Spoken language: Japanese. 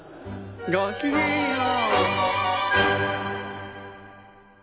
ごきげんよう！